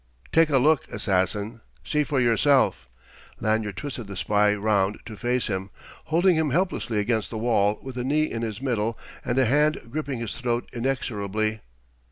"Take a look, assassin see for yourself!" Lanyard twisted the spy around to face him, holding him helpless against the wall with a knee in his middle and a hand gripping his throat inexorably.